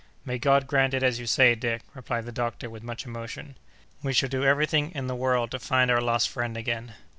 "May God grant it as you say, Dick!" replied the doctor, with much emotion. "We shall do everything in the world to find our lost friend again.